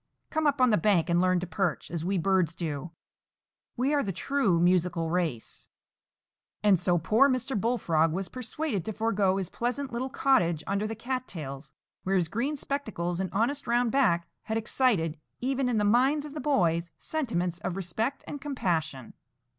Come up on the bank and learn to perch, as we birds do. We are the true musical race." And so poor Mr. Bullfrog was persuaded to forego his pleasant little cottage under the cat tails, where his green spectacles and honest round back had excited, even in the minds of the boys, sentiments of respect and compassion.